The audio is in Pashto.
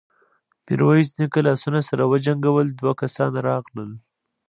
ميرويس نيکه لاسونه سره وجنګول، دوه کسان راغلل.